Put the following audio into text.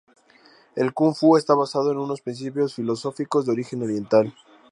El kung-fu está basado en unos principios filosóficos de origen oriental.